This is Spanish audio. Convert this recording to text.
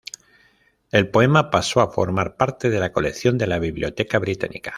El poema pasó a formar parte de la colección de la Biblioteca Británica.